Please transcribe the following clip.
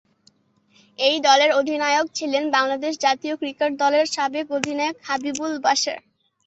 এই দলের অধিনায়ক ছিলেন বাংলাদেশ জাতীয় ক্রিকেট দলের সাবেক অধিনায়ক হাবিবুল বাশার।